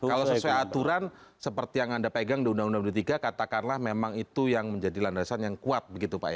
kalau sesuai aturan seperti yang anda pegang di undang undang dua puluh tiga katakanlah memang itu yang menjadi landasan yang kuat begitu pak ya